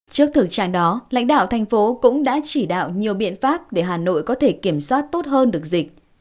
trước thực trạng đó lãnh đạo thành phố cũng đã chỉ đạo nhiều biện pháp để hà nội có thể kiểm soát tốt hơn được dịch